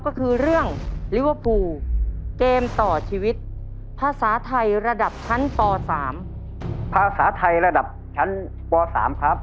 ก็คือเรื่องลิเวอร์ฟูเกมต่อชีวิตภาษาไทยระดับชั้นป๓